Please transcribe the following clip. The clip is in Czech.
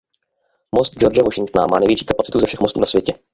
Most George Washingtona má největší kapacitu ze všech mostů na světě.